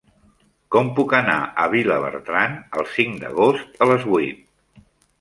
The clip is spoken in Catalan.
Com puc anar a Vilabertran el cinc d'agost a les vuit?